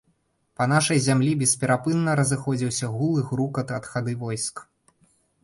Па нашай зямлі бесперапынна разыходзіўся гул і грукат ад хады войск.